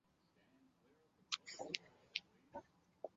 奥西良博阿镇是葡萄牙布拉干萨区的一个堂区。